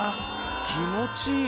気持ちいいよ